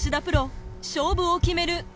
プロ勝負を決める